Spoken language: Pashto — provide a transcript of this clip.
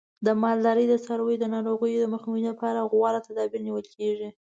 د مالدارۍ د څارویو د ناروغیو مخنیوي لپاره غوره تدابیر نیول کېږي.